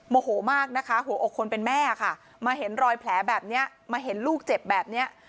โมโหมากนะคะหัวอกคนเป็นแม่ค่ะมาเห็นรอยแผลแบบนี้มาเห็นลูกเจ็บแบบเนี้ย